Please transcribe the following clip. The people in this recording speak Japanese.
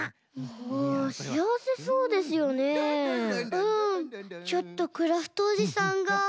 うんちょっとクラフトおじさんがうらやましい。